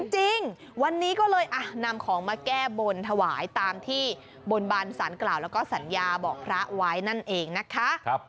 จริงวันนี้ก็เลยนำของมาแก้บนถวายตามที่บนบานสารกล่าวแล้วก็สัญญาบอกพระไว้นั่นเองนะคะ